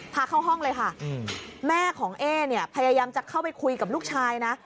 พาเข้าห้องเลยค่ะแม่ของเอ๊เนี่ยพยายามจะเข้าไปคุยกับลูกชายนะ